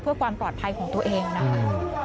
เพื่อความปลอดภัยของตัวเองนะคะ